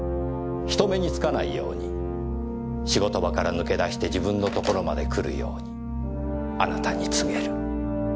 人目に付かないように仕事場から抜け出して自分の所まで来るようにあなたに告げる。